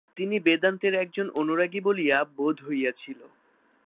তিনি বেদান্তের একজন অনুরাগী বলিয়া বোধ হইয়াছিল।